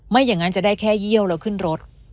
อย่างนั้นจะได้แค่เยี่ยวแล้วขึ้นรถ